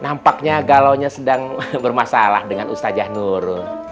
nampaknya galau nya sedang bermasalah dengan ustaz jah nur